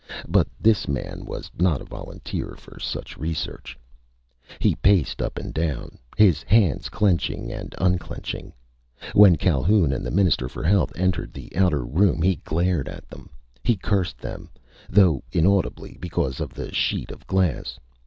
But this man was not a volunteer for such research. He paced up and down, his hands clenching and unclenching. When Calhoun and the Minister for Health entered the outer room, he glared at them. He cursed them, though inaudibly because of the sheet of glass.